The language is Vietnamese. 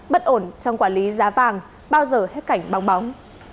bất ổn trong quản lý giá vàng bao giờ hết cảnh bong bóng